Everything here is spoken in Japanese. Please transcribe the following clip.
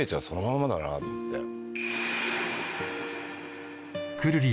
そのままだなって。